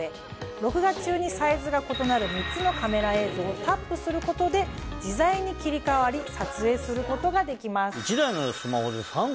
録画中にサイズが異なる３つのカメラ映像をタップすることで自在に切り替わり撮影することができます。